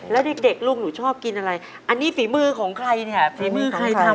แล้วนี่เด็กลูกหนูชอบกินอะไรอันนี้ฝีมือของใครเนี่ย